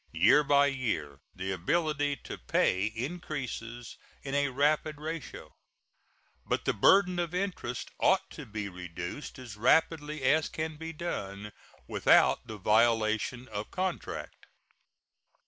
Year by year the ability to pay increases in a rapid ratio. But the burden of interest ought to be reduced as rapidly as can be done without the violation of contract.